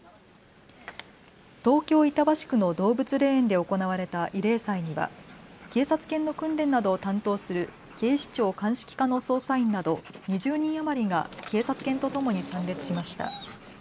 東京板橋区の動物霊園で行われた慰霊祭には警察犬の訓練などを担当する警視庁鑑識課の捜査員など２０人余りが警察犬とともに参列しました。